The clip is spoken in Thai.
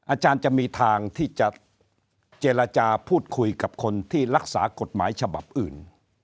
อาจารย์จะมีทางที่จะเจรจาพูดคุยกับคนที่รักษากฎหมายฉบับอื่น